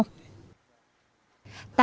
tại việt nam